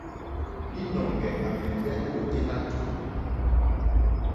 Līnɔ̄ŋgɛ̄ à mɛ̀ndɛ́ ôténá tùú.